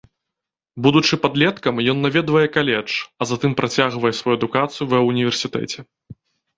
Будучы падлеткам ён наведвае каледж, а затым працягвае сваю адукацыю ва ўніверсітэце.